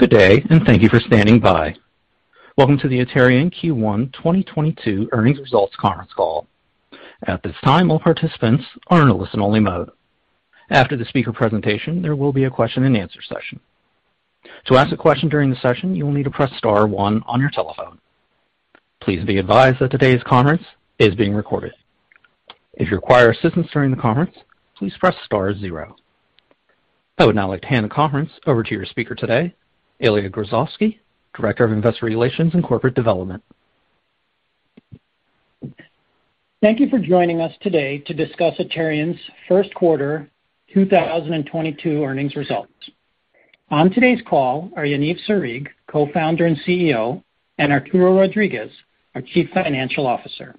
Good day and thank you for standing by. Welcome to the Aterian Q1 2022 earnings results conference call. At this time, all participants are in a listen-only mode. After the speaker presentation, there will be a question-and-answer session. To ask a question during the session, you will need to press star one on your telephone. Please be advised that today's conference is being recorded. If you require assistance during the conference, please press star zero. I would now like to hand the conference over to your speaker today, Ilya Grozovsky, Director of Investor Relations and Corporate Development. Thank you for joining us today to discuss Aterian's first quarter 2022 earnings results. On today's call are Yaniv Sarig, Co-Founder and CEO, and Arturo Rodriguez, our Chief Financial Officer.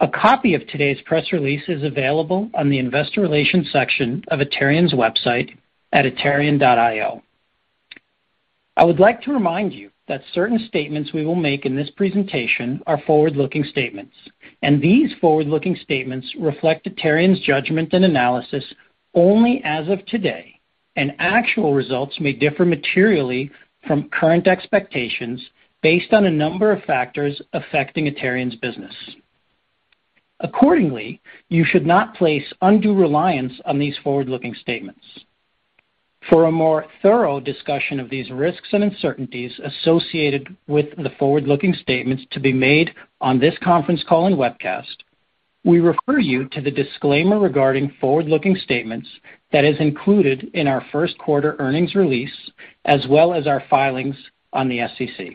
A copy of today's press release is available on the investor relations section of Aterian's website at aterian.io. I would like to remind you that certain statements we will make in this presentation are forward-looking statements, and these forward-looking statements reflect Aterian's judgment and analysis only as of today, and actual results may differ materially from current expectations based on a number of factors affecting Aterian's business. Accordingly, you should not place undue reliance on these forward-looking statements. For a more thorough discussion of these risks and uncertainties associated with the forward-looking statements to be made on this conference call and webcast, we refer you to the disclaimer regarding forward-looking statements that is included in our first quarter earnings release, as well as our filings with the SEC.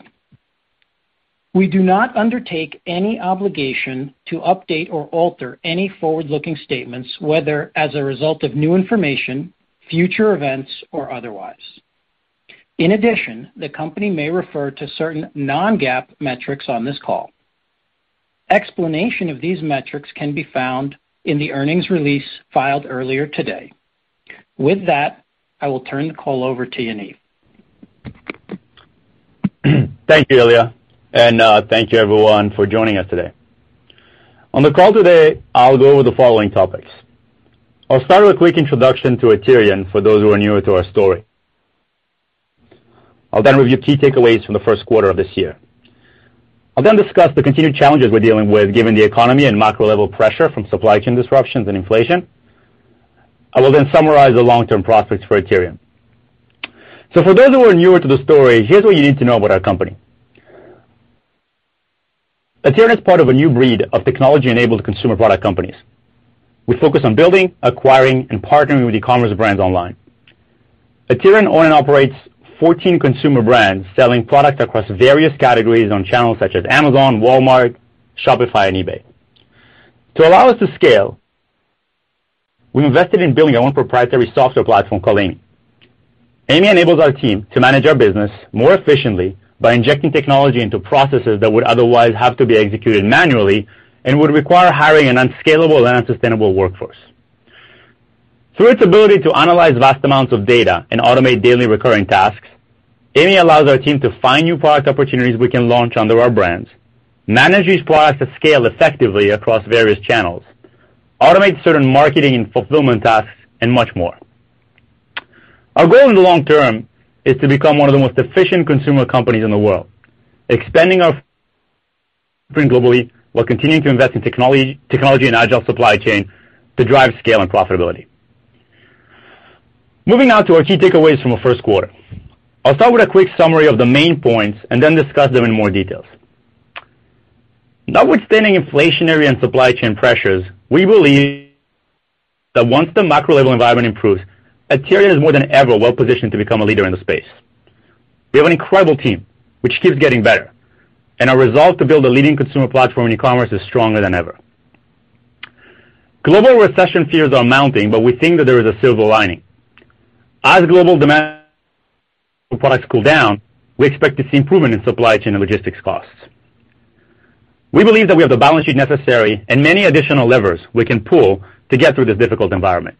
We do not undertake any obligation to update or alter any forward-looking statements, whether as a result of new information, future events or otherwise. In addition, the company may refer to certain non-GAAP metrics on this call. Explanation of these metrics can be found in the earnings release filed earlier today. With that, I will turn the call over to Yaniv. Thank you, Ilya, and thank you everyone for joining us today. On the call today, I'll go over the following topics. I'll start with a quick introduction to Aterian for those who are newer to our story. I'll then review key takeaways from the first quarter of this year. I'll then discuss the continued challenges we're dealing with given the economy and macro level pressure from supply chain disruptions and inflation. I will then summarize the long-term prospects for Aterian. For those who are newer to the story, here's what you need to know about our company. Aterian is part of a new breed of technology-enabled consumer product companies. We focus on building, acquiring, and partnering with e-commerce brands online. Aterian own and operates 14 consumer brands selling products across various categories on channels such as Amazon, Walmart, Shopify, and eBay. To allow us to scale, we invested in building our own proprietary software platform called AIMEE. AIMEE enables our team to manage our business more efficiently by injecting technology into processes that would otherwise have to be executed manually and would require hiring an unscalable and unsustainable workforce. Through its ability to analyze vast amounts of data and automate daily recurring tasks, AIMEE allows our team to find new product opportunities we can launch under our brands, manage these products at scale effectively across various channels, automate certain marketing and fulfillment tasks, and much more. Our goal in the long term is to become one of the most efficient consumer companies in the world, expanding our footprint globally while continuing to invest in technology and agile supply chain to drive scale and profitability. Moving on to our key takeaways from the first quarter. I'll start with a quick summary of the main points and then discuss them in more details. Notwithstanding inflationary and supply chain pressures, we believe that once the macro-level environment improves, Aterian is more than ever well-positioned to become a leader in the space. We have an incredible team which keeps getting better, and our resolve to build a leading consumer platform in e-commerce is stronger than ever. Global recession fears are mounting, but we think that there is a silver lining. As global demand for products cool down, we expect to see improvement in supply chain and logistics costs. We believe that we have the balance sheet necessary and many additional levers we can pull to get through this difficult environment.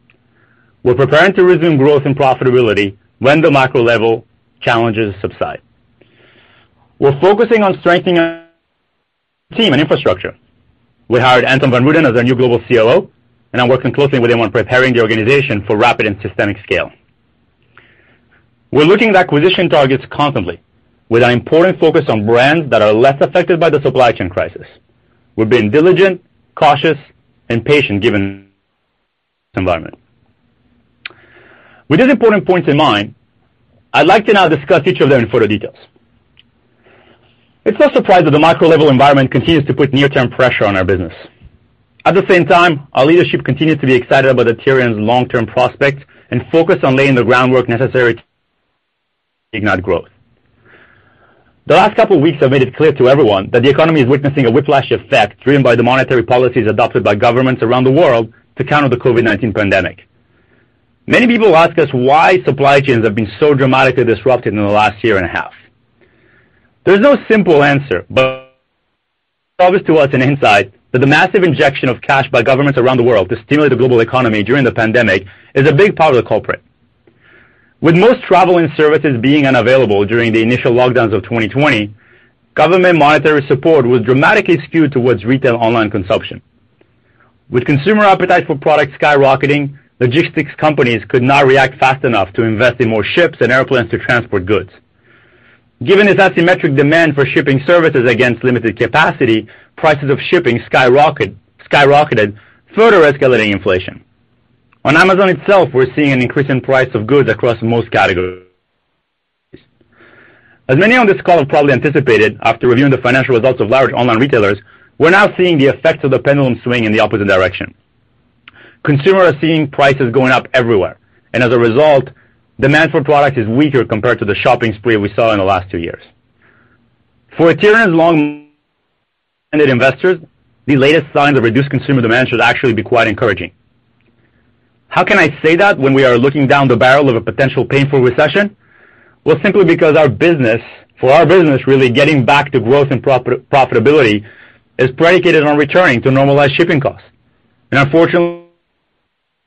We're preparing to resume growth and profitability when the macro level challenges subside. We're focusing on strengthening our team and infrastructure. We hired Anton von Rueden as our new global COO, and I'm working closely with him on preparing the organization for rapid and systemic scale. We're looking at acquisition targets constantly with an important focus on brands that are less affected by the supply chain crisis. We're being diligent, cautious, and patient given environment. With these important points in mind, I'd like to now discuss each of them in further details. It's no surprise that the macro level environment continues to put near-term pressure on our business. At the same time, our leadership continues to be excited about Aterian's long-term prospects and focus on laying the groundwork necessary to ignite growth. The last couple weeks have made it clear to everyone that the economy is witnessing a whiplash effect driven by the monetary policies adopted by governments around the world to counter the COVID-19 pandemic. Many people ask us why supply chains have been so dramatically disrupted in the last year and a half. There's no simple answer, but obvious to us an insight that the massive injection of cash by governments around the world to stimulate the global economy during the pandemic is a big part of the culprit. With most travel and services being unavailable during the initial lockdowns of 2020, government monetary support was dramatically skewed towards retail online consumption. With consumer appetite for products skyrocketing, logistics companies could not react fast enough to invest in more ships and airplanes to transport goods. Given this asymmetric demand for shipping services against limited capacity, prices of shipping skyrocketed, further escalating inflation. On Amazon itself, we're seeing an increase in price of goods across most categories. As many on this call have probably anticipated, after reviewing the financial results of large online retailers, we're now seeing the effects of the pendulum swing in the opposite direction. Consumers are seeing prices going up everywhere, and as a result, demand for product is weaker compared to the shopping spree we saw in the last two years. For Aterian's long investors, the latest signs of reduced consumer demand should actually be quite encouraging. How can I say that when we are looking down the barrel of a potential painful recession? Well, simply because for our business, really getting back to growth and profitability is predicated on returning to normalized shipping costs. Unfortunately,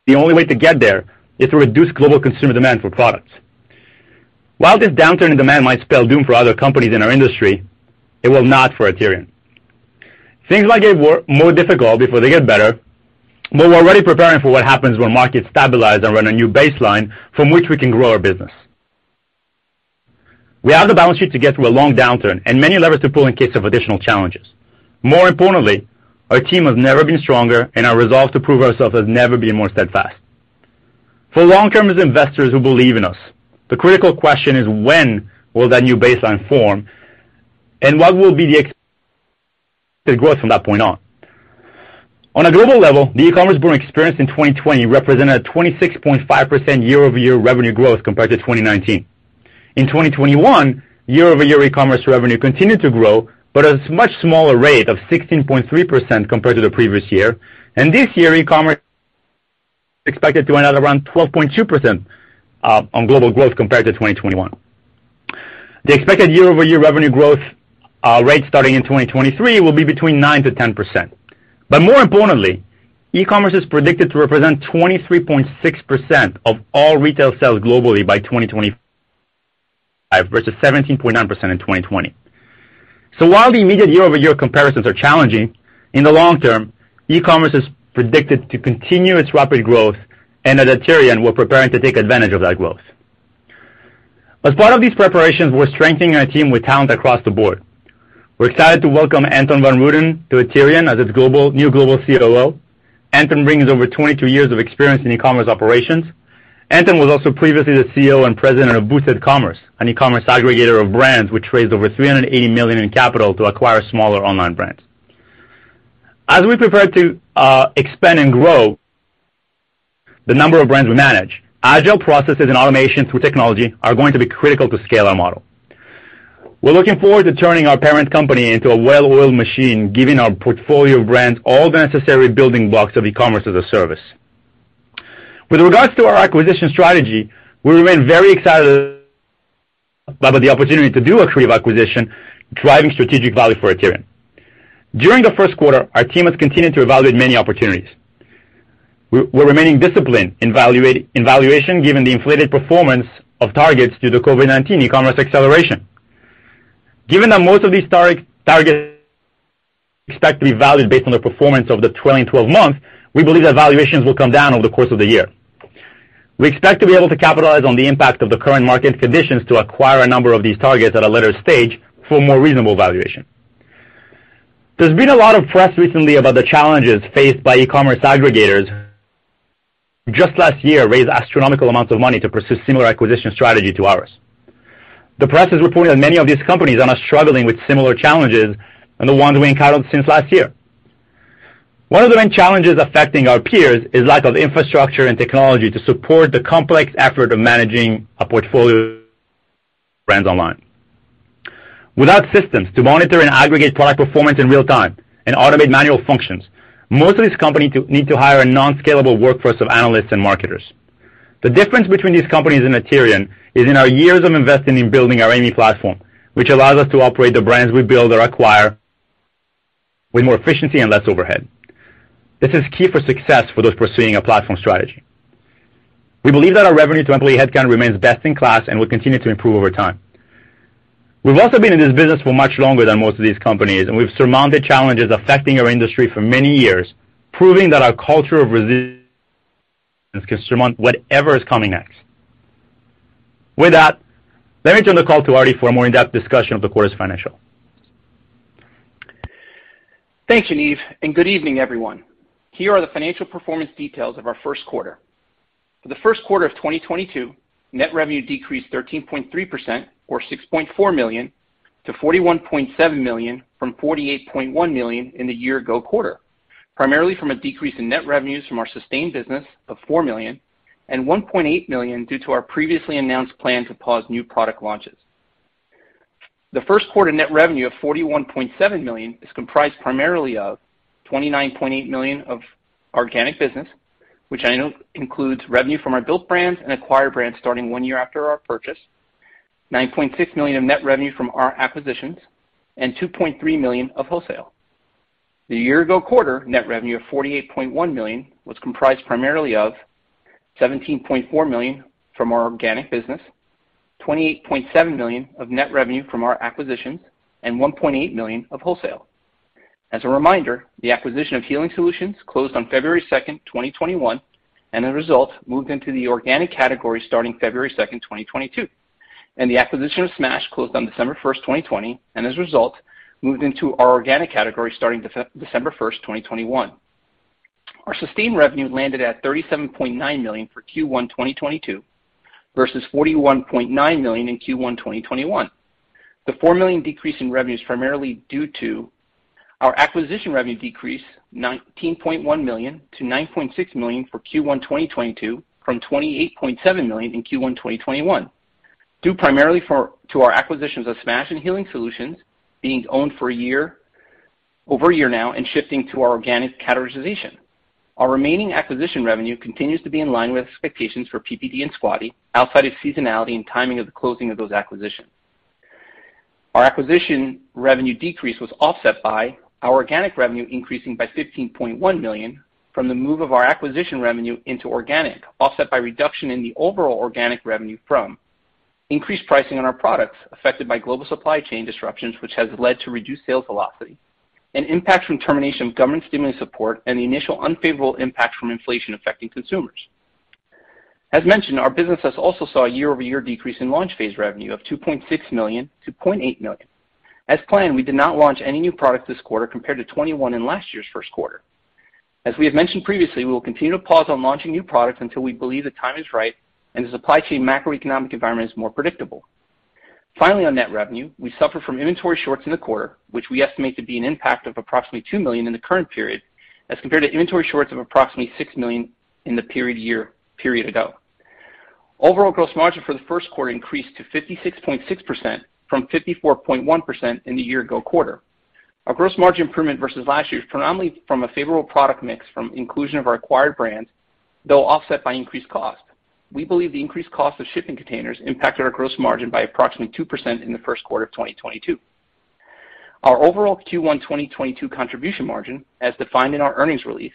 the only way to get there is to reduce global consumer demand for products. While this downturn in demand might spell doom for other companies in our industry, it will not for Aterian. Things might get more difficult before they get better, but we're already preparing for what happens when markets stabilize and run a new baseline from which we can grow our business. We have the balance sheet to get through a long downturn and many levers to pull in case of additional challenges. More importantly, our team has never been stronger, and our resolve to prove ourselves has never been more steadfast. For long-term investors who believe in us, the critical question is when will that new baseline form, and what will be the growth from that point on? On a global level, the e-commerce boom experienced in 2020 represented a 26.5% year-over-year revenue growth compared to 2019. In 2021, year-over-year e-commerce revenue continued to grow, but at a much smaller rate of 16.3% compared to the previous year. This year, e-commerce is expected to run another 12.2% on global growth compared to 2021. The expected year-over-year revenue growth rate starting in 2023 will be between 9%-10%. More importantly, e-commerce is predicted to represent 23.6% of all retail sales globally by 2025 versus 17.9% in 2020. While the immediate year-over-year comparisons are challenging, in the long term, e-commerce is predicted to continue its rapid growth, and at Aterian, we're preparing to take advantage of that growth. As part of these preparations, we're strengthening our team with talent across the board. We're excited to welcome Anton von Rueden to Aterian as its new global COO. Anton brings over 22 years of experience in e-commerce operations. Anton was also previously the CEO and president of Boosted Commerce, an e-commerce aggregator of brands which raised over $380 million in capital to acquire smaller online brands. As we prepare to expand and grow the number of brands we manage, agile processes and automation through technology are going to be critical to scale our model. We're looking forward to turning our parent company into a well-oiled machine, giving our portfolio of brands all the necessary building blocks of e-commerce as a service. With regards to our acquisition strategy, we remain very excited about the opportunity to do accretive acquisition, driving strategic value for Aterian. During the first quarter, our team has continued to evaluate many opportunities. We're remaining disciplined in valuation, given the inflated performance of targets due to COVID-19 e-commerce acceleration. Given that most of these targets expect to be valued based on the performance of the trailing 12 months, we believe that valuations will come down over the course of the year. We expect to be able to capitalize on the impact of the current market conditions to acquire a number of these targets at a later stage for more reasonable valuation. There's been a lot of press recently about the challenges faced by e-commerce aggregators that just last year raised astronomical amounts of money to pursue a similar acquisition strategy to ours. The press is reporting that many of these companies are now struggling with similar challenges to the ones we encountered since last year. One of the main challenges affecting our peers is the lack of infrastructure and technology to support the complex effort of managing a portfolio of brands online. Without systems to monitor and aggregate product performance in real time and automate manual functions, most of these companies need to hire a non-scalable workforce of analysts and marketers. The difference between these companies and Aterian is in our years of investing in building our AIMEE platform, which allows us to operate the brands we build or acquire with more efficiency and less overhead. This is key for success for those pursuing a platform strategy. We believe that our revenue to employee headcount remains best in class and will continue to improve over time. We've also been in this business for much longer than most of these companies, and we've surmounted challenges affecting our industry for many years, proving that our culture of resilience can surmount whatever is coming next. With that, let me turn the call to Artie for a more in-depth discussion of the quarter's financials. Thank you, Yaniv, and good evening, everyone. Here are the financial performance details of our first quarter. For the first quarter of 2022, net revenue decreased 13.3% or $6.4 million-$41.7 million from $48.1 million in the year ago quarter, primarily from a decrease in net revenues from our sustained business of $4 million and $1.8 million due to our previously announced plan to pause new product launches. The first quarter net revenue of $41.7 million is comprised primarily of $29.8 million of organic business, which I know includes revenue from our built brands and acquired brands starting one year after our purchase, $9.6 million of net revenue from our acquisitions, and $2.3 million of wholesale. The year-ago quarter net revenue of $48.1 million was comprised primarily of $17.4 million from our organic business. $28.7 million of net revenue from our acquisitions and $1.8 million of wholesale. As a reminder, the acquisition of Healing Solutions closed on February 2nd, 2021, and as a result, moved into the organic category starting February 2nd, 2022. The acquisition of Smash closed on December 1st, 2020, and as a result, moved into our organic category starting December 1st, 2021. Our sustained revenue landed at $37.9 million for Q1 2022 versus $41.9 million in Q1 2021. The $4 million decrease in revenue is primarily due to our acquisition revenue decrease, $19.1 million-$9.6 million for Q1 2022, from $28.7 million in Q1 2021. Due primarily to our acquisitions of Smash and Healing Solutions being owned for a year, over a year now and shifting to our organic categorization. Our remaining acquisition revenue continues to be in line with expectations for PPD and Squatty outside of seasonality and timing of the closing of those acquisitions. Our acquisition revenue decrease was offset by our organic revenue increasing by $15.1 million from the move of our acquisition revenue into organic, offset by reduction in the overall organic revenue from increased pricing on our products affected by global supply chain disruptions, which has led to reduced sales velocity and impacts from termination of government stimulus support and the initial unfavorable impacts from inflation affecting consumers. As mentioned, our business has also saw a year-over-year decrease in launch phase revenue of $2.6 million-$0.8 million. As planned, we did not launch any new product this quarter compared to 2021 in last year's first quarter. As we have mentioned previously, we will continue to pause on launching new products until we believe the time is right and the supply chain macroeconomic environment is more predictable. Finally, on net revenue, we suffer from inventory shorts in the quarter, which we estimate to be an impact of approximately $2 million in the current period as compared to inventory shorts of approximately $6 million in the period ago. Overall gross margin for the first quarter increased to 56.6% from 54.1% in the year ago quarter. Our gross margin improvement versus last year is predominantly from a favorable product mix from inclusion of our acquired brands, though offset by increased cost. We believe the increased cost of shipping containers impacted our gross margin by approximately 2% in the first quarter of 2022. Our overall Q1 2022 contribution margin, as defined in our earnings release,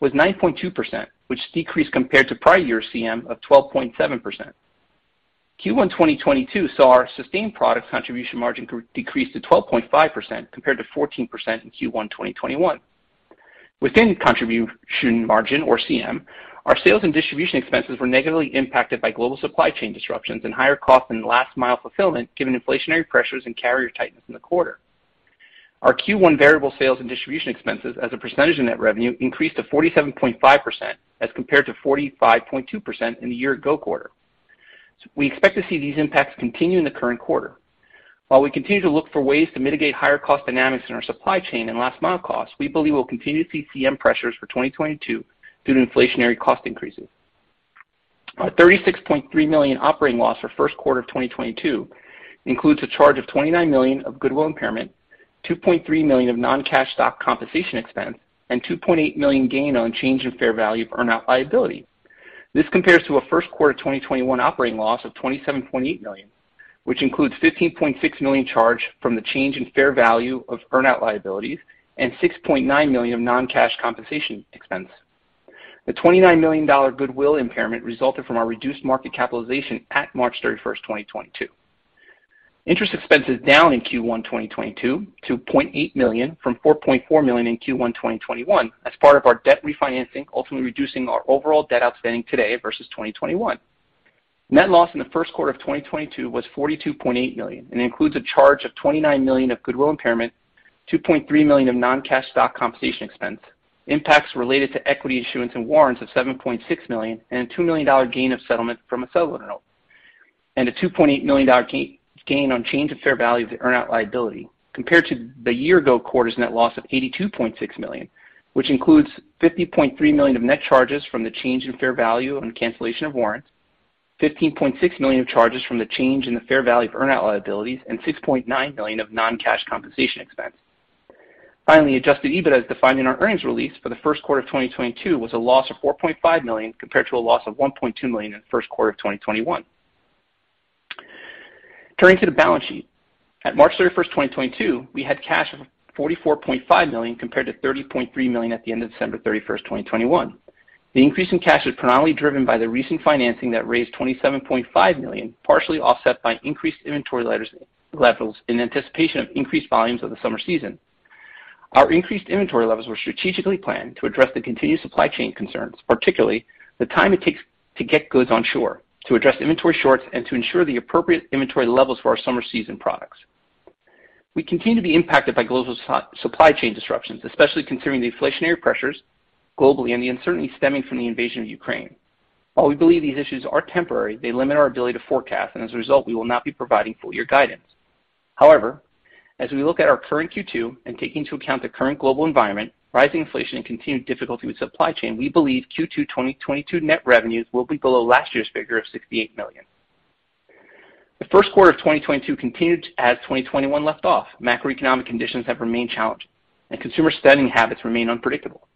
was 9.2%, which decreased compared to prior year CM of 12.7%. Q1 2022 saw our sustained products contribution margin decrease to 12.5% compared to 14% in Q1 2021. Within contribution margin or CM, our sales and distribution expenses were negatively impacted by global supply chain disruptions and higher costs in the last mile fulfillment, given inflationary pressures and carrier tightness in the quarter. Our Q1 variable sales and distribution expenses as a percentage of net revenue increased to 47.5% as compared to 45.2% in the year ago quarter. We expect to see these impacts continue in the current quarter. While we continue to look for ways to mitigate higher cost dynamics in our supply chain and last mile costs, we believe we'll continue to see CM pressures for 2022 due to inflationary cost increases. Our $36.3 million operating loss for first quarter of 2022 includes a charge of $29 million of goodwill impairment, $2.3 million of non-cash stock compensation expense, and $2.8 million gain on change in fair value of earn out liability. This compares to a first quarter of 2021 operating loss of $27.8 million, which includes $15.6 million charge from the change in fair value of earn out liabilities and $6.9 million of non-cash compensation expense. The $29 million goodwill impairment resulted from our reduced market capitalization at March 31st, 2022. Interest expense is down in Q1 2022 to $0.8 million from $4.4 million in Q1 2021 as part of our debt refinancing, ultimately reducing our overall debt outstanding today versus 2021. Net loss in the first quarter of 2022 was $42.8 million, and includes a charge of $29 million of goodwill impairment, $2.3 million of non-cash stock compensation expense, impacts related to equity issuance and warrants of $7.6 million, and a $2 million gain of settlement from a seller note, and a $2.8 million gain on change of fair value of the earn out liability compared to the year ago quarter's net loss of $82.6 million, which includes $50.3 million of net charges from the change in fair value on cancellation of warrants, $15.6 million of charges from the change in the fair value of earn out liabilities, and $6.9 million of non-cash compensation expense. Finally, adjusted EBITDA as defined in our earnings release for the first quarter of 2022 was a loss of $4.5 million compared to a loss of $1.2 million in the first quarter of 2021. Turning to the balance sheet. At March 31st, 2022, we had cash of $44.5 million compared to $30.3 million at the end of December 31st, 2021. The increase in cash was predominantly driven by the recent financing that raised $27.5 million, partially offset by increased inventory levels in anticipation of increased volumes of the summer season. Our increased inventory levels were strategically planned to address the continued supply chain concerns, particularly the time it takes to get goods on shore, to address inventory shorts and to ensure the appropriate inventory levels for our summer season products. We continue to be impacted by global supply chain disruptions, especially considering the inflationary pressures globally and the uncertainty stemming from the invasion of Ukraine. While we believe these issues are temporary, they limit our ability to forecast, and as a result, we will not be providing full year guidance. However, as we look at our current Q2 and taking into account the current global environment, rising inflation and continued difficulty with supply chain, we believe Q2 2022 net revenues will be below last year's figure of $68 million. The first quarter of 2022 continued as 2021 left off. Macroeconomic conditions have remained challenging, and consumer spending habits remain unpredictable.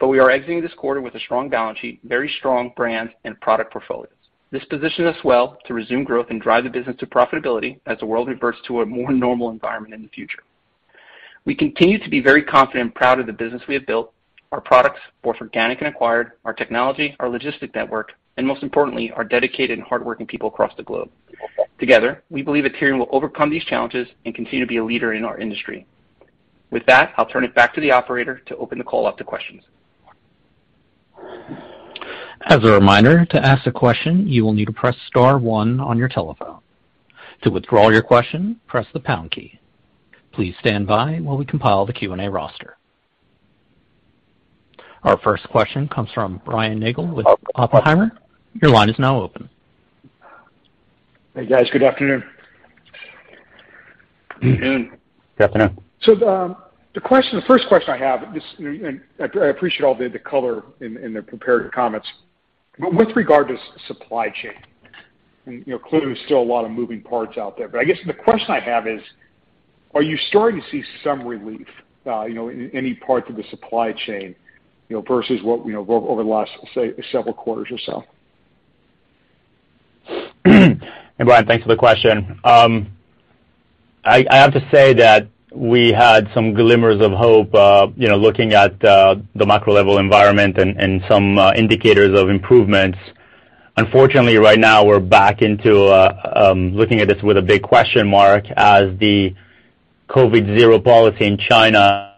We are exiting this quarter with a strong balance sheet, very strong brand and product portfolios. This positions us well to resume growth and drive the business to profitability as the world reverts to a more normal environment in the future. We continue to be very confident and proud of the business we have built, our products, both organic and acquired, our technology, our logistics network, and most importantly, our dedicated and hardworking people across the globe. Together, we believe Aterian will overcome these challenges and continue to be a leader in our industry. With that, I'll turn it back to the operator to open the call up to questions. As a reminder, to ask a question, you will need to press star one on your telephone. To withdraw your question, press the pound key. Please stand by while we compile the Q&A roster. Our first question comes from Brian Nagel with Oppenheimer. Your line is now open. Hey, guys. Good afternoon. Good afternoon. The first question I have, just, you know, and I appreciate all the color in the prepared comments. With regard to supply chain, you know, clearly there's still a lot of moving parts out there. I guess the question I have is, are you starting to see some relief, you know, in any parts of the supply chain, you know, versus what, you know, over the last, say, several quarters or so? Hey, Brian, thanks for the question. I have to say that we had some glimmers of hope, you know, looking at the macro level environment and some indicators of improvements. Unfortunately, right now we're back into looking at this with a big question mark as the COVID zero policy in China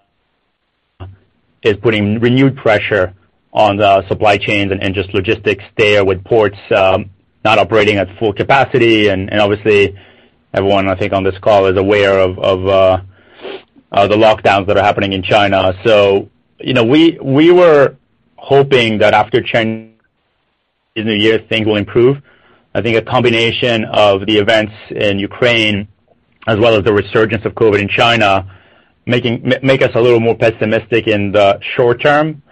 is putting renewed pressure on the supply chains and just logistics there with ports not operating at full capacity. Obviously everyone I think on this call is aware of the lockdowns that are happening in China. You know, we were hoping that after Chinese New Year, things will improve. I think a combination of the events in Ukraine as well as the resurgence of COVID in China make us a little more pessimistic in the short term.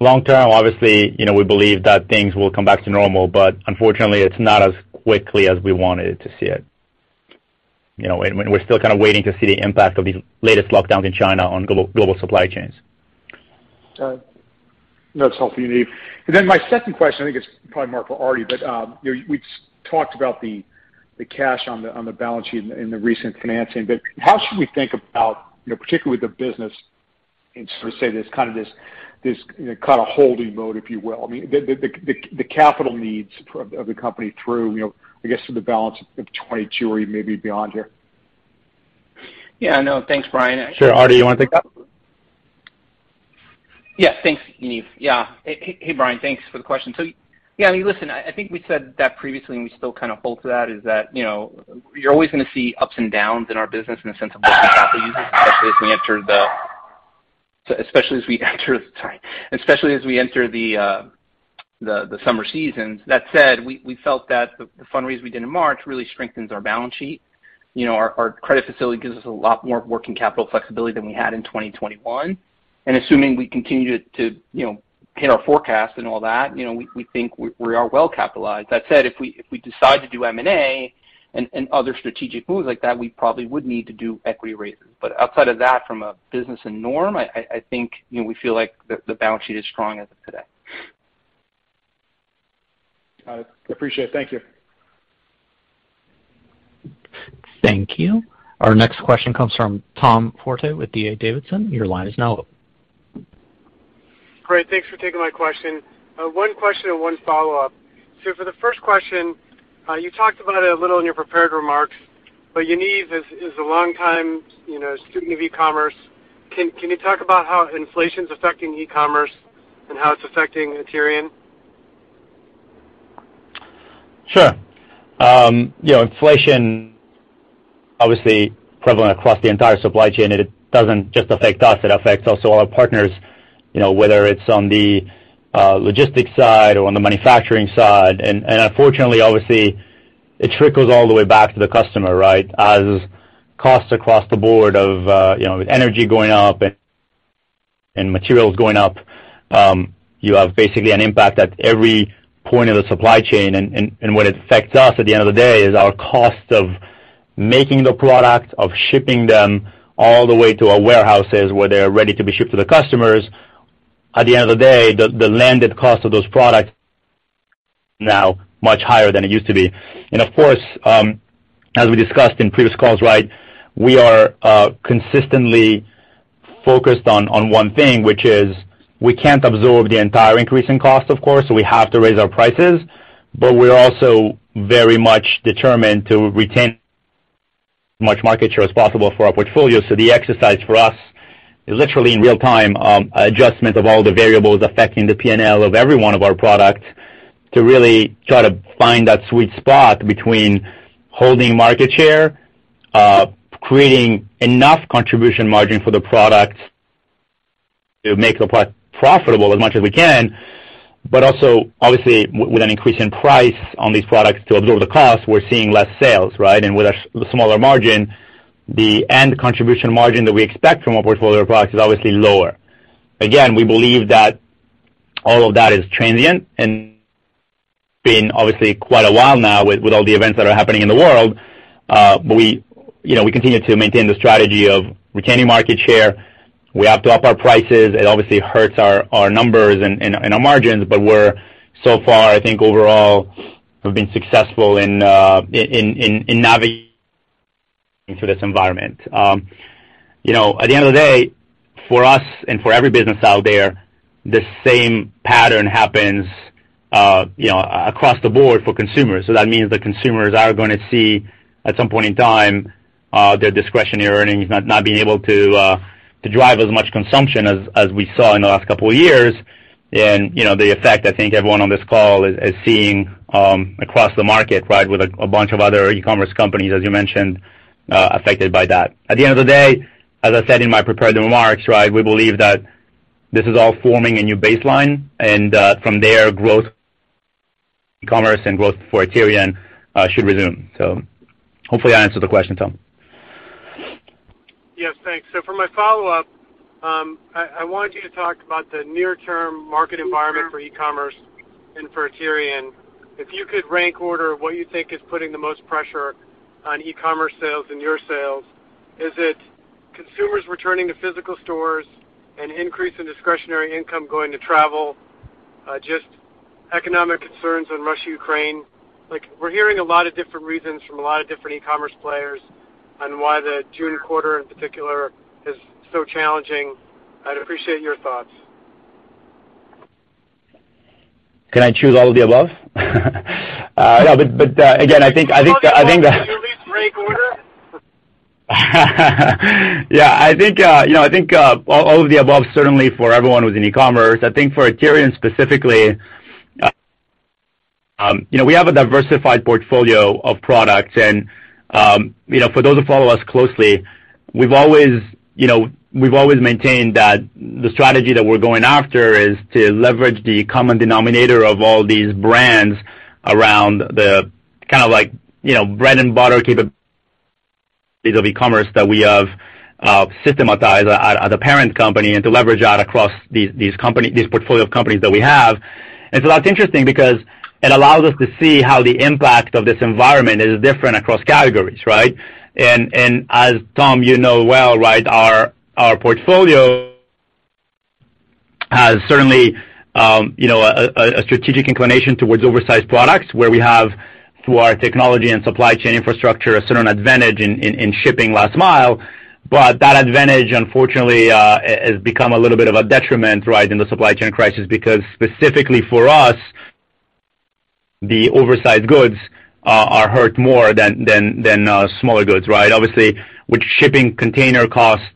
Long term, obviously, you know, we believe that things will come back to normal, but unfortunately, it's not as quickly as we wanted to see it. You know, we're still kind of waiting to see the impact of these latest lockdowns in China on global supply chains. That's all for me. Then my second question, I think it's probably more for Artie, but you know, we talked about the cash on the balance sheet in the recent financing. How should we think about, you know, particularly the business in sort of, say, this kind of, this you know, kind of holding mode, if you will. I mean, the capital needs of the company through, you know, I guess through the balance of 2022 or even maybe beyond here. Yeah, no. Thanks, Brian. Sure. Artie, you wanna take that? Yes. Thanks, Yaniv. Yeah. Hey, Brian, thanks for the question. So, yeah, I mean, listen, I think we said that previously, and we still kind of hold to that, is that, you know, you're always gonna see ups and downs in our business in a sense of working capital uses, especially as we enter the summer seasons. That said, we felt that the fundraise we did in March really strengthens our balance sheet. You know, our credit facility gives us a lot more working capital flexibility than we had in 2021. Assuming we continue to, you know, hit our forecast and all that, you know, we think we are well capitalized. That said, if we decide to do M&A and other strategic moves like that, we probably would need to do equity raises. Outside of that, from a business standpoint, I think, you know, we feel like the balance sheet is strong as of today. All right. Appreciate it. Thank you. Thank you. Our next question comes from Tom Forte with DA Davidson. Your line is now open. Great. Thanks for taking my question. One question and one follow-up. For the first question, you talked about it a little in your prepared remarks, but Yaniv is a long time, you know, student of e-commerce. Can you talk about how inflation's affecting e-commerce and how it's affecting Aterian? Sure. You know, inflation obviously prevalent across the entire supply chain, and it doesn't just affect us, it affects also our partners, you know, whether it's on the logistics side or on the manufacturing side. Unfortunately, obviously, it trickles all the way back to the customer, right? As costs across the board, you know, with energy going up and materials going up, you have basically an impact at every point of the supply chain. What it affects us at the end of the day is our cost of making the product, of shipping them all the way to our warehouses, where they're ready to be shipped to the customers. At the end of the day, the landed cost of those products now much higher than it used to be. Of course, as we discussed in previous calls, right, we are consistently focused on one thing, which is we can't absorb the entire increase in cost, of course, so we have to raise our prices, but we're also very much determined to retain as much market share as possible for our portfolio. The exercise for us is literally in real time adjustment of all the variables affecting the P&L of every one of our products to really try to find that sweet spot between holding market share, creating enough contribution margin for the product to make the product profitable as much as we can, but also obviously with an increase in price on these products to absorb the cost, we're seeing less sales, right? With a smaller margin, the net contribution margin that we expect from our portfolio of products is obviously lower. Again, we believe that all of that is transient. It's been obviously quite a while now with all the events that are happening in the world. We, you know, continue to maintain the strategy of retaining market share. We have to up our prices. It obviously hurts our numbers and our margins, but we're so far, I think overall have been successful in navigating through this environment. You know, at the end of the day, for us and for every business out there, the same pattern happens across the board for consumers. That means the consumers are gonna see at some point in time their discretionary earnings not being able to drive as much consumption as we saw in the last couple of years. You know, the effect I think everyone on this call is seeing across the market, right? With a bunch of other e-commerce companies, as you mentioned, affected by that. At the end of the day, as I said in my prepared remarks, right, we believe that this is all forming a new baseline, and from there, growth commerce and growth for Aterian should resume. Hopefully, I answered the question, Tom. Yes. Thanks. For my follow-up, I want you to talk about the near-term market environment for e-commerce and for Aterian. If you could rank order what you think is putting the most pressure on e-commerce sales and your sales, is it consumers returning to physical stores and increase in discretionary income going to travel, just economic concerns on Russia-Ukraine? Like, we're hearing a lot of different reasons from a lot of different e-commerce players on why the June quarter, in particular, is so challenging. I'd appreciate your thoughts. Can I choose all of the above? No. Again, I think Can you at least rank order? Yeah. I think, you know, all of the above, certainly for everyone who's in e-commerce. I think for Aterian specifically, you know, we have a diversified portfolio of products and, you know, for those who follow us closely, we've always, you know, maintained that the strategy that we're going after is to leverage the common denominator of all these brands around the kind of like, you know, bread-and-butter capabilities of e-commerce that we have systematized at the parent company and to leverage that across these portfolio of companies that we have. That's interesting because it allows us to see how the impact of this environment is different across categories, right? As Tom, you know well, right, our portfolio has certainly, you know, a strategic inclination towards oversized products where we have through our technology and supply chain infrastructure a certain advantage in shipping last mile. That advantage, unfortunately, has become a little bit of a detriment, right, in the supply chain crisis, because specifically for us, the oversized goods are hurt more than smaller goods, right? Obviously, with shipping container costs,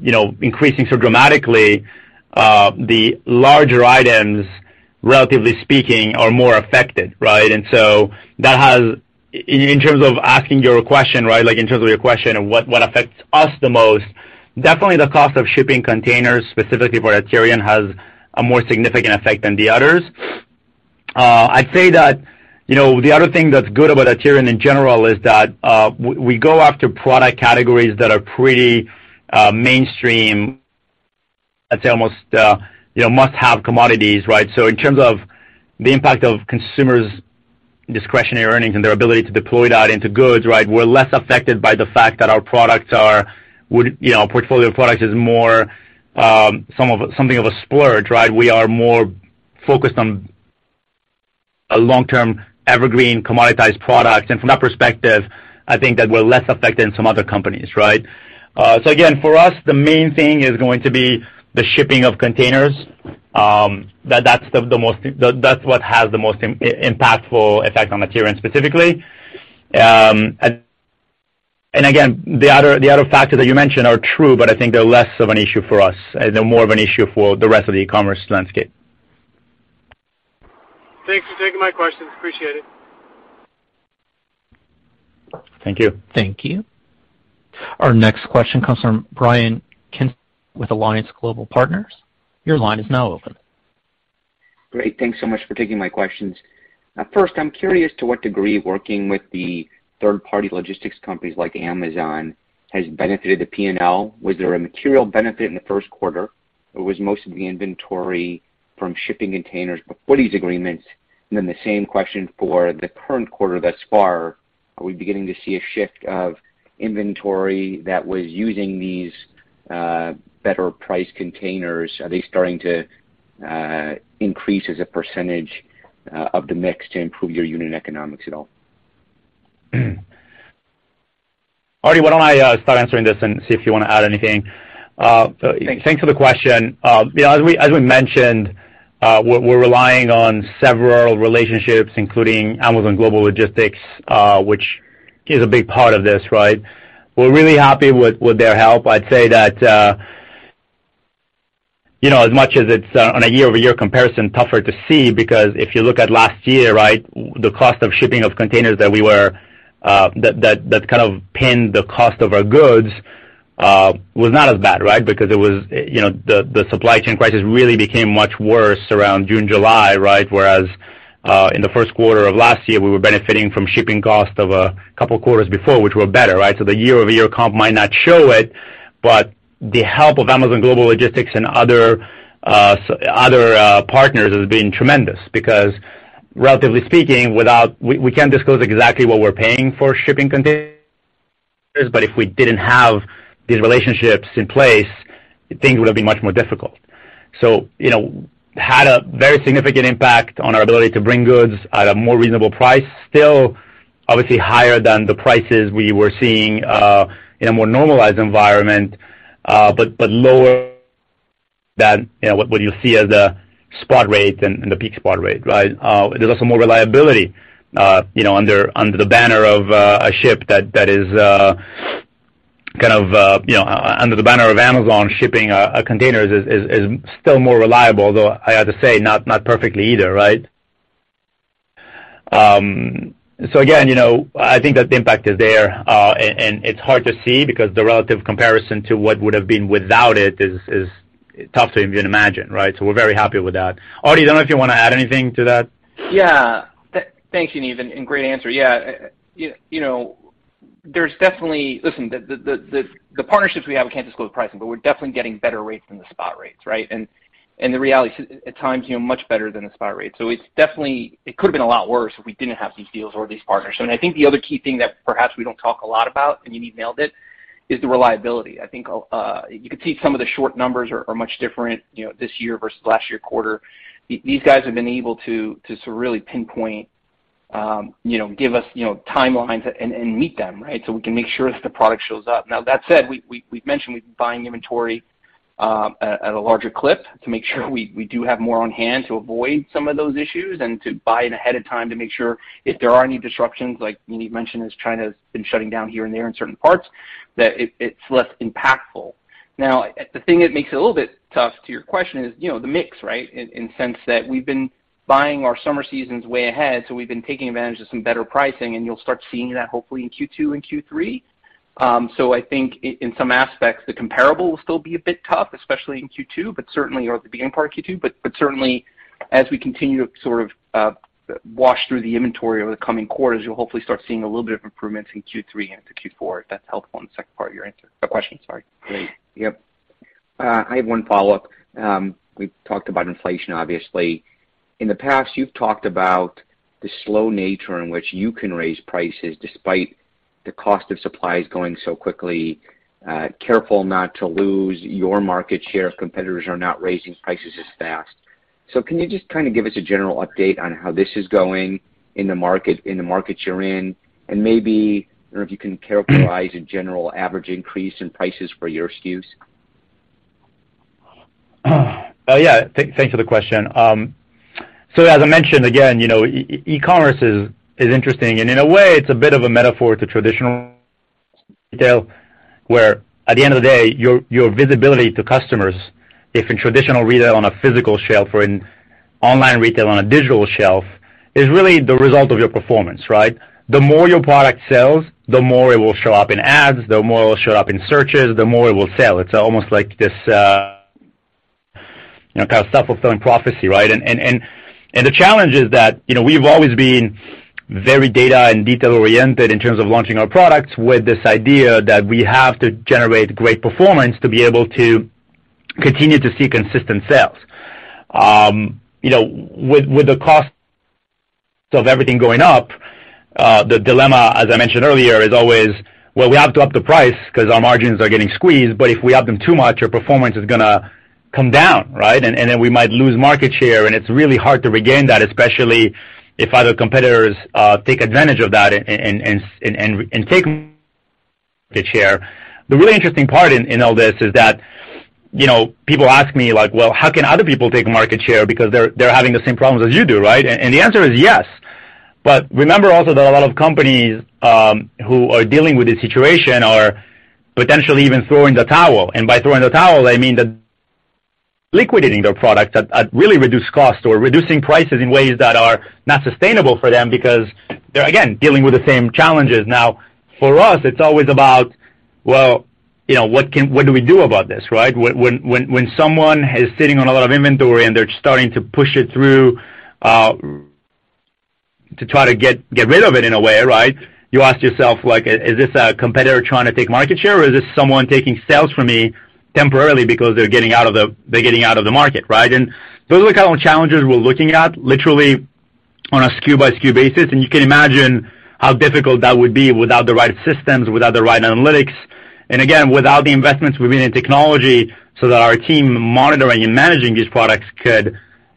you know, increasing so dramatically, the larger items, relatively speaking, are more affected, right? That has, in terms of asking your question, right, like, in terms of your question, what affects us the most, definitely the cost of shipping containers specifically for Aterian has a more significant effect than the others. I'd say that, you know, the other thing that's good about Aterian in general is that we go after product categories that are pretty mainstream. I'd say almost, you know, must-have commodities, right? In terms of the impact of consumers' discretionary earnings and their ability to deploy that into goods, right, we're less affected by the fact that portfolio of products is more something of a splurge, right? We are more focused on a long-term evergreen commoditized product. From that perspective, I think that we're less affected than some other companies, right? Again, for us, the main thing is going to be the shipping of containers. That's what has the most impactful effect on Aterian specifically. Again, the other factors that you mentioned are true, but I think they're less of an issue for us. They're more of an issue for the rest of the e-commerce landscape. Thanks for taking my questions. Appreciate it. Thank you. Thank you. Our next question comes from Brian Kinstlinger with Alliance Global Partners. Your line is now open. Great. Thanks so much for taking my questions. First, I'm curious to what degree working with the third-party logistics companies like Amazon has benefited the P&L. Was there a material benefit in the first quarter, or was most of the inventory from shipping containers before these agreements? The same question for the current quarter thus far, are we beginning to see a shift of inventory that was using these better-priced containers? Are they starting to increase as a percentage of the mix to improve your unit economics at all? Artie, why don't I start answering this and see if you wanna add anything. Thanks. Thanks for the question. You know, as we mentioned, we're relying on several relationships, including Amazon Global Logistics, which is a big part of this, right? We're really happy with their help. I'd say that, you know, as much as it's on a year-over-year comparison, tougher to see, because if you look at last year, right, well, the cost of shipping of containers that we were that kind of pinned the cost of our goods was not as bad, right? Because it was, you know, the supply chain crisis really became much worse around June, July, right? Whereas, in the first quarter of last year, we were benefiting from shipping costs of a couple quarters before, which were better, right? The year-over-year comp might not show it, but the help of Amazon Global Logistics and other partners has been tremendous because, relatively speaking, we can't disclose exactly what we're paying for shipping containers, but if we didn't have these relationships in place, things would have been much more difficult. Had a very significant impact on our ability to bring goods at a more reasonable price. Still, obviously higher than the prices we were seeing in a more normalized environment, but lower than what you see as a spot rate and the peak spot rate, right? There's also more reliability, you know, under the banner of a ship that is kind of, you know, under the banner of Amazon shipping a container is still more reliable, though I have to say, not perfectly either, right? Again, you know, I think that the impact is there, and it's hard to see because the relative comparison to what would have been without it is tough to even imagine, right? We're very happy with that. Artie, I don't know if you wanna add anything to that. Yeah. Thank you, Yaniv, and great answer. Yeah. You know, there's definitely. Listen, the partnerships we have, we can't disclose pricing, but we're definitely getting better rates than the spot rates, right? The reality at times, you know, much better than the spot rate. It's definitely. It could have been a lot worse if we didn't have these deals or these partnerships. I think the other key thing that perhaps we don't talk a lot about, and Yaniv nailed it, is the reliability. I think you could see some of the short numbers are much different, you know, this year versus last year quarter. These guys have been able to sort of really pinpoint, you know, give us, you know, timelines and meet them, right? We can make sure that the product shows up. Now, that said, we've mentioned we've been buying inventory at a larger clip to make sure we do have more on hand to avoid some of those issues and to buy it ahead of time to make sure if there are any disruptions, like Yaniv mentioned, as China's been shutting down here and there in certain parts, that it's less impactful. Now, the thing that makes it a little bit tough to your question is, you know, the mix, right? In the sense that we've been buying our summer seasons way ahead, so we've been taking advantage of some better pricing, and you'll start seeing that hopefully in Q2 and Q3. I think in some aspects, the comparable will still be a bit tough, especially in Q2, but certainly the beginning part of Q2, but certainly as we continue to sort of wash through the inventory over the coming quarters, you'll hopefully start seeing a little bit of improvements in Q3 and into Q4, if that's helpful in the second part of your answer. Question, sorry. Great. Yep. I have one follow-up. We've talked about inflation, obviously. In the past, you've talked about the slow nature in which you can raise prices despite the cost of supplies going so quickly, careful not to lose your market share if competitors are not raising prices as fast. Can you just kind of give us a general update on how this is going in the market, in the markets you're in? And maybe, I don't know if you can characterize a general average increase in prices for your SKUs? Thanks for the question. So, as I mentioned, again, you know, e-commerce is interesting. In a way, it's a bit of a metaphor to traditional retail, where at the end of the day, your visibility to customers, if in traditional retail on a physical shelf or in online retail on a digital shelf, is really the result of your performance, right? The more your product sells, the more it will show up in ads, the more it will show up in searches, the more it will sell. It's almost like this, you know, kind of self-fulfilling prophecy, right? The challenge is that, you know, we've always been very data and detail-oriented in terms of launching our products with this idea that we have to generate great performance to be able to continue to see consistent sales. You know, with the cost of everything going up, the dilemma, as I mentioned earlier, is always, well, we have to up the price 'cause our margins are getting squeezed, but if we up them too much, our performance is gonna come down, right? Then we might lose market share, and it's really hard to regain that, especially if other competitors take advantage of that and take market share. The really interesting part in all this is that, you know, people ask me like, "Well, how can other people take market share because they're having the same problems as you do, right?" The answer is yes. Remember also that a lot of companies who are dealing with this situation are potentially even throwing in the towel. By throwing in the towel, I mean that liquidating their products at really reduced cost or reducing prices in ways that are not sustainable for them because they're, again, dealing with the same challenges. Now, for us, it's always about, well, you know, what do we do about this, right? When someone is sitting on a lot of inventory and they're starting to push it through to try to get rid of it in a way, right? You ask yourself, like, "Is this a competitor trying to take market share or is this someone taking sales from me temporarily because they're getting out of the market, right?" Those are the kind of challenges we're looking at literally on a SKU by SKU basis. You can imagine how difficult that would be without the right systems, without the right analytics. Again, without the investments we've made in technology so that our team monitoring and managing these products could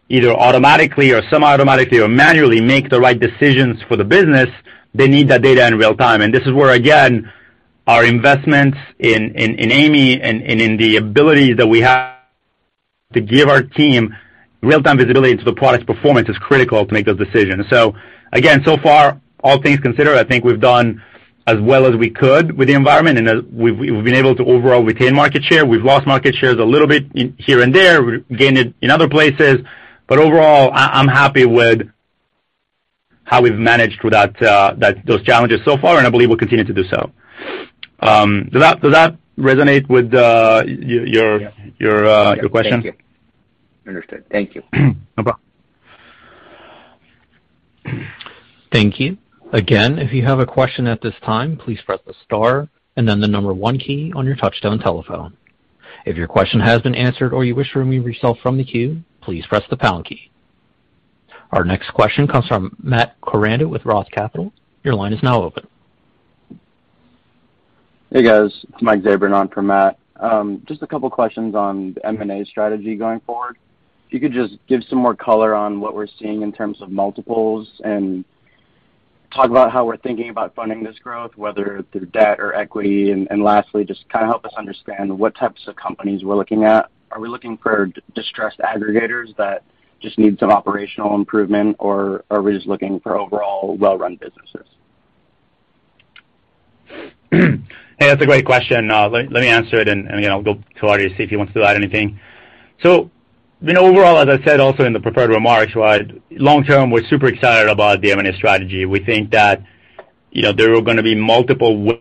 either automatically or semi-automatically or manually make the right decisions for the business. They need that data in real time. This is where, again, our investments in AIMEE and in the abilities that we have to give our team real-time visibility into the product's performance is critical to make those decisions. Again, so far, all things considered, I think we've done as well as we could with the environment, and we've been able to overall retain market share. We've lost market shares a little bit here and there. We've gained it in other places. Overall, I'm happy with how we've managed with those challenges so far, and I believe we'll continue to do so. Does that resonate with your question? Thank you. Understood. Thank you. No problem. Thank you. Again, if you have a question at this time, please press the star and then the number one key on your touchtone telephone. If your question has been answered or you wish to remove yourself from the queue, please press the pound key. Our next question comes from Matt Koranda with ROTH Capital Partners. Your line is now open. Hey, guys. It's Mike Zabran for Matt. Just a couple questions on the M&A strategy going forward. If you could just give some more color on what we're seeing in terms of multiples and talk about how we're thinking about funding this growth, whether through debt or equity. Lastly, just kinda help us understand what types of companies we're looking at. Are we looking for distressed aggregators that just need some operational improvement, or are we just looking for overall well-run businesses? Hey, that's a great question. Let me answer it, and I mean, I'll go to Artie to see if he wants to add anything. You know, overall, as I said also in the prepared remarks, right? Long-term, we're super excited about the M&A strategy. We think that, you know, there are gonna be multiple winners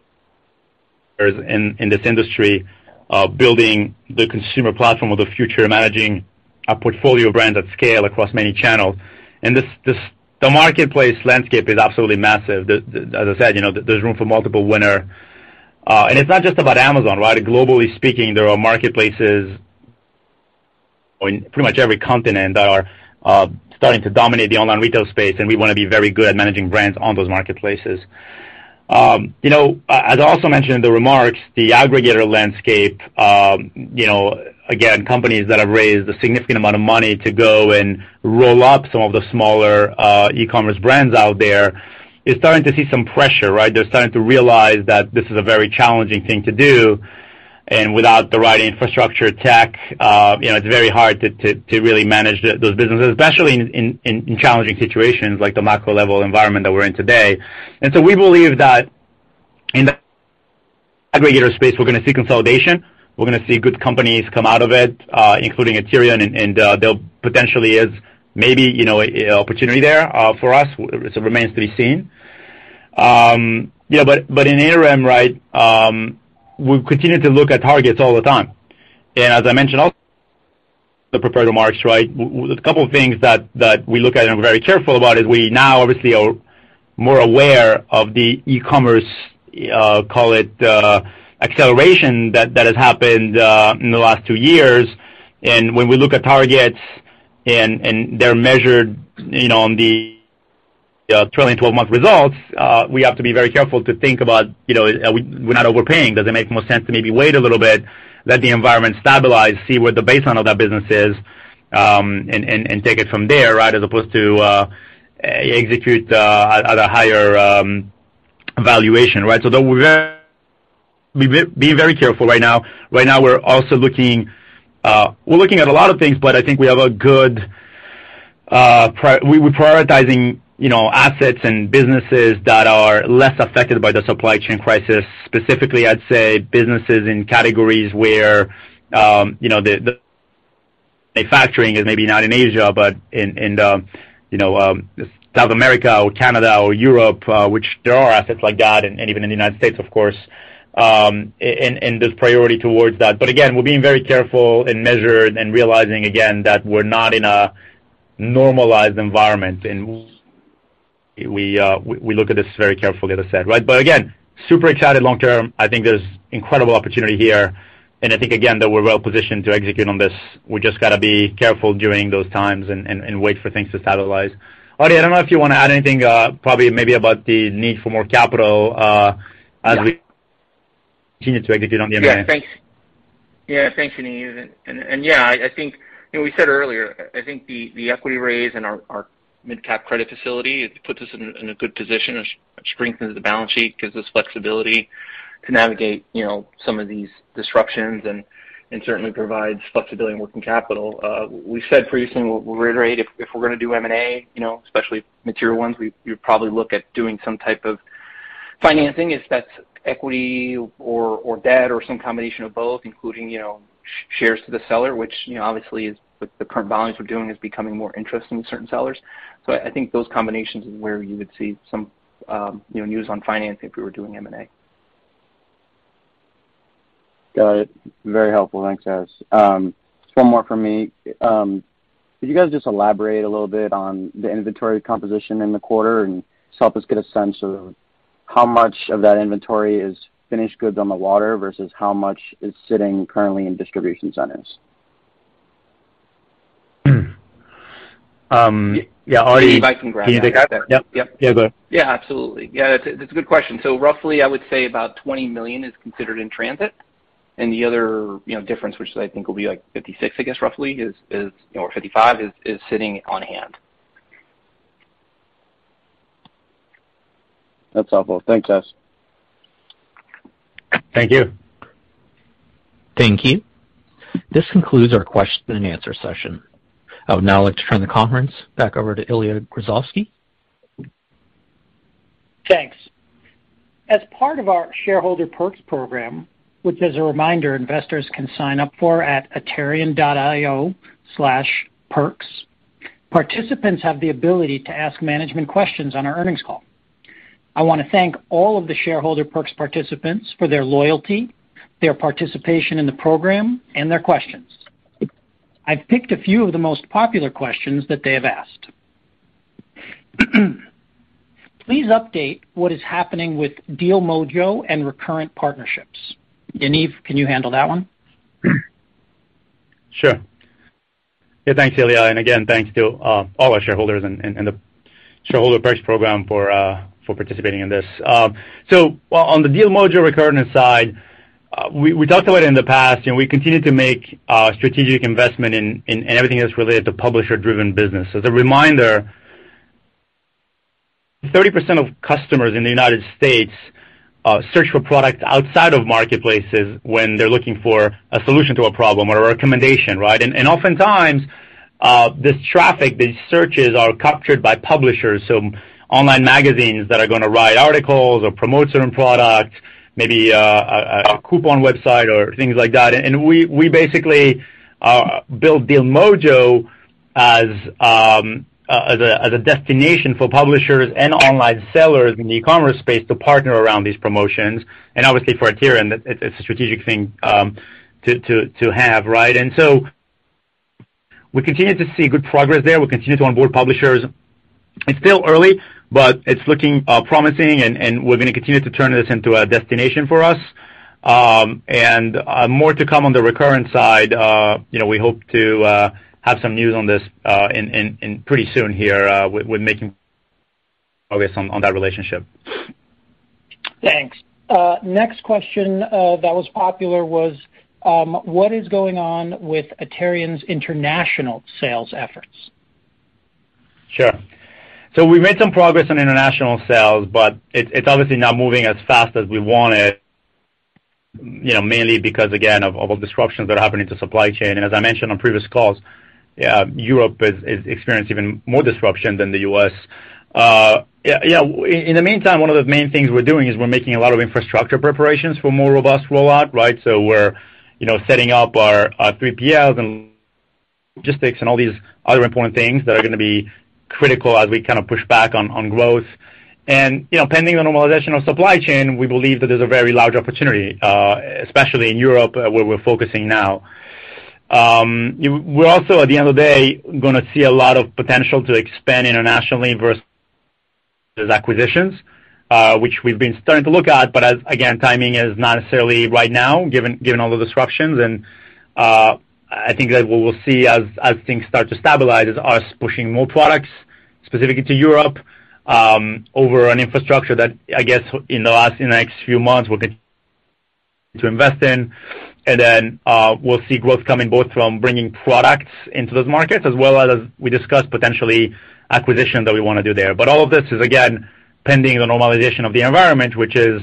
in this industry of building the consumer platform of the future, managing a portfolio brand at scale across many channels. This the marketplace landscape is absolutely massive. The as I said, you know, there's room for multiple winner. It's not just about Amazon, right? Globally speaking, there are marketplaces in pretty much every continent that are starting to dominate the online retail space, and we wanna be very good at managing brands on those marketplaces. You know, as I also mentioned in the remarks, the aggregator landscape, you know, again, companies that have raised a significant amount of money to go and roll up some of the smaller, e-commerce brands out there is starting to see some pressure, right? They're starting to realize that this is a very challenging thing to do. Without the right infrastructure tech, you know, it's very hard to really manage those businesses, especially in challenging situations like the macro level environment that we're in today. We believe that in the aggregator space, we're gonna see consolidation. We're gonna see good companies come out of it, including Aterian and there potentially is maybe, you know, an opportunity there, for us. It sort of remains to be seen. In M&A, right, we continue to look at targets all the time. As I mentioned also in the prepared remarks, right? A couple of things that we look at and we're very careful about is we now obviously are more aware of the e-commerce, call it, acceleration that has happened in the last two years. When we look at targets and they're measured, you know, on the trailing 12-month results, we have to be very careful to think about, you know, we're not overpaying. Does it make more sense to maybe wait a little bit, let the environment stabilize, see where the baseline of that business is, and take it from there, right? As opposed to execute at a higher valuation, right? Though we're being very careful right now. Right now we're also looking at a lot of things, but I think we have a good, we're prioritizing, you know, assets and businesses that are less affected by the supply chain crisis. Specifically, I'd say businesses in categories where, you know, the manufacturing is maybe not in Asia, but in South America or Canada or Europe, which there are assets like that and even in the United States, of course, and there's priority towards that. But again, we're being very careful and measured and realizing again that we're not in a normalized environment and we look at this very carefully, as I said, right. Again, super excited long term. I think there's incredible opportunity here. I think, again, that we're well-positioned to execute on this. We just gotta be careful during those times and wait for things to stabilize. Artie, I don't know if you wanna add anything, probably maybe about the need for more capital. Yeah. As we continue to execute on the M&A. Yeah. Thanks. Yeah, thanks, Yaniv. Yeah, I think, you know, we said earlier, I think the equity raise and our MidCap credit facility, it puts us in a good position, strengthens the balance sheet, gives us flexibility to navigate, you know, some of these disruptions and certainly provides flexibility in working capital. We said previously, and we'll reiterate, if we're gonna do M&A, you know, especially material ones, we'd probably look at doing some type of financing, if that's equity or debt or some combination of both, including, you know, shares to the seller, which, you know, obviously is with the current volumes we're doing is becoming more interesting to certain sellers. I think those combinations is where you would see some, you know, news on financing if we were doing M&A. Got it. Very helpful. Thanks, guys. One more from me. Could you guys just elaborate a little bit on the inventory composition in the quarter and just help us get a sense of how much of that inventory is finished goods on the water versus how much is sitting currently in distribution centers? Yeah. Mike can grab that. Can you take that? Yep. Yep. Yeah, go. Yeah, absolutely. Yeah, that's a good question. So roughly, I would say about $20 million is considered in transit. The other, you know, difference, which I think will be like $56 million, I guess, roughly, or $55 million is sitting on hand. That's helpful. Thanks, guys. Thank you. Thank you. This concludes our question and answer session. I would now like to turn the conference back over to Ilya Grozovsky. Thanks. As part of our Shareholder Perks program, which as a reminder, investors can sign up for at aterian.io/perks, participants have the ability to ask management questions on our earnings call. I wanna thank all of the Shareholder Perks participants for their loyalty, their participation in the program, and their questions. I've picked a few of the most popular questions that they have asked. Please update what is happening with DealMojo and Recurrent partnerships. Yaniv, can you handle that one? Sure. Yeah, thanks, Ilya, and again, thanks to all our shareholders and the Shareholder Perks program for participating in this. On the DealMojo Recurrent side, we talked about it in the past, and we continue to make strategic investment in everything that's related to publisher-driven business. As a reminder, 30% of customers in the United States search for products outside of marketplaces when they're looking for a solution to a problem or a recommendation, right? Oftentimes, this traffic, these searches are captured by publishers, so online magazines that are gonna write articles or promote certain products, maybe a coupon website or things like that. We basically built DealMojo as a destination for publishers and online sellers in the e-commerce space to partner around these promotions. Obviously for Aterian, it's a strategic thing to have, right? We continue to see good progress there. We continue to onboard publishers. It's still early, but it's looking promising and we're gonna continue to turn this into a destination for us. More to come on the Recurrent side. You know, we hope to have some news on this in pretty soon here with making progress on that relationship. Thanks. Next question that was popular was what is going on with Aterian's international sales efforts? Sure. We made some progress on international sales, but it's obviously not moving as fast as we wanted, you know, mainly because again, of disruptions that are happening to supply chain. As I mentioned on previous calls, Europe is experiencing even more disruption than the U.S. In the meantime, one of the main things we're doing is we're making a lot of infrastructure preparations for more robust rollout, right? We're, you know, setting up our 3PLs and logistics and all these other important things that are gonna be critical as we kinda push back on growth. You know, pending the normalization of supply chain, we believe that there's a very large opportunity, especially in Europe, where we're focusing now. We're also at the end of the day gonna see a lot of potential to expand internationally versus acquisitions, which we've been starting to look at. As again, timing is not necessarily right now, given all the disruptions. I think that what we'll see as things start to stabilize is us pushing more products specifically to Europe over an infrastructure that, I guess, in the next few months, we're going to invest in. Then we'll see growth coming both from bringing products into those markets as well as we discussed potentially acquisition that we wanna do there. All of this is again, pending the normalization of the environment, which is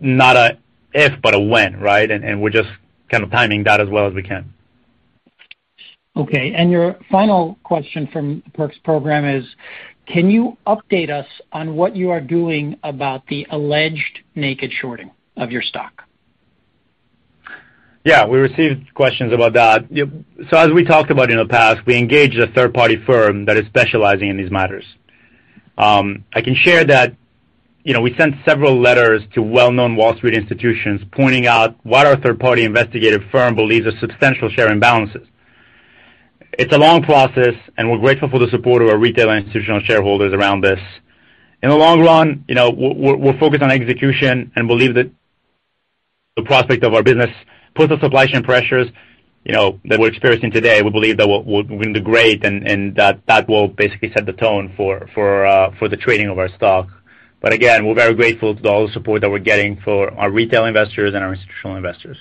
not an if, but a when, right? We're just kind of timing that as well as we can. Okay. Your final question from Perks program is, can you update us on what you are doing about the alleged naked shorting of your stock? Yeah, we received questions about that. As we talked about in the past, we engaged a third-party firm that is specializing in these matters. I can share that, you know, we sent several letters to well-known Wall Street institutions pointing out what our third-party investigative firm believes are substantial share imbalances. It's a long process, and we're grateful for the support of our retail institutional shareholders around this. In the long run, you know, we're focused on execution and believe that the prospect of our business post the supply chain pressures, you know, that we're experiencing today, we believe that we're gonna do great and that will basically set the tone for the trading of our stock. Again, we're very grateful to all the support that we're getting for our retail investors and our institutional investors.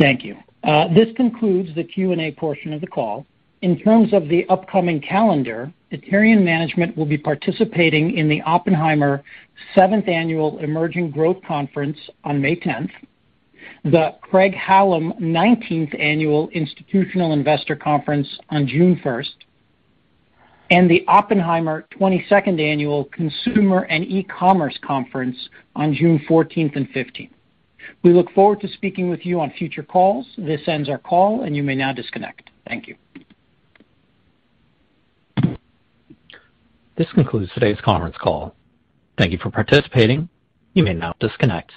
Thank you. This concludes the Q&A portion of the call. In terms of the upcoming calendar, Aterian management will be participating in the 7th Annual Oppenheimer Emerging Growth Conference on May 10th, the Craig-Hallum 19th Annual Institutional Investor Conference on June 1st, and the Oppenheimer 22nd Annual Consumer Growth and E-Commerce Conference on June 14th and 15th. We look forward to speaking with you on future calls. This ends our call, and you may now disconnect. Thank you. This concludes today's conference call. Thank you for participating. You may now disconnect.